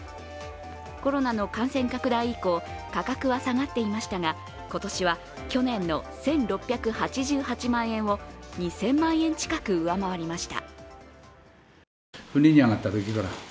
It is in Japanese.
コロナの感染拡大以降価格は下がっていましたが今年は去年の１６８８万円を２０００万円近く上回りました。